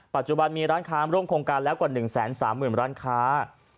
ปัจจุบันมีร้านค้าร่วมโครงการแล้วกว่า๑๓๐๐๐ร้านค้า